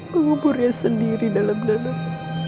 menguburnya sendiri dalam dalam